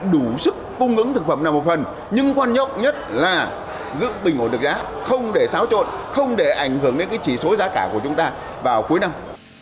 đủ sức cung ứng thực phẩm nào một phần nhưng quan nhóc nhất là giữ bình ổn được giá không để xáo trộn không để ảnh hưởng đến chỉ số giá cả của chúng ta vào cuối năm